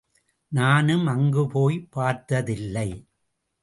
நானும் அங்கு போய்ப் பார்த்ததில்லை.